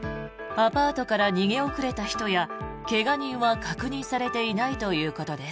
アパートから逃げ遅れた人や怪我人は確認されていないということです。